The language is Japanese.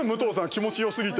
気持ちよすぎて。